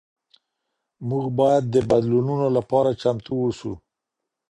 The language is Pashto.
موږ باید د بدلونونو لپاره چمتو اوسو.